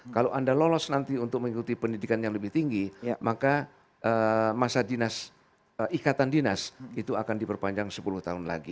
kalau anda lolos nanti untuk mengikuti pendidikan yang lebih tinggi maka masa ikatan dinas itu akan diperpanjang sepuluh tahun lagi